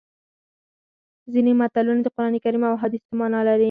ځینې متلونه د قرانکریم او احادیثو مانا لري